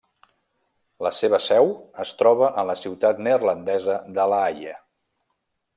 La seva seu es troba en la ciutat neerlandesa de La Haia.